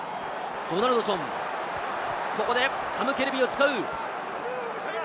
ドナルドソン、ここでサム・ケレビを使う。